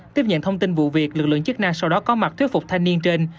tiếp nhận thông tin vụ việc lực lượng chức năng sau đó có mặt thuyết phục thanh niên trên